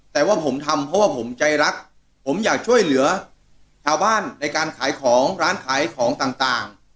แต่ว่าผมทำเพราะว่าผมใจรักผมอยากช่วยเหลือชาวบ้านในการขายของร้านขายของต่าง